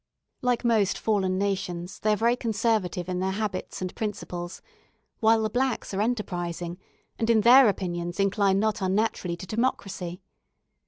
Like most fallen nations, they are very conservative in their habits and principles; while the blacks are enterprising, and in their opinions incline not unnaturally to democracy.